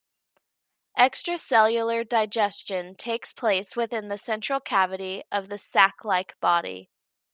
Extracellular digestion takes place within the central cavity of the sac-like body.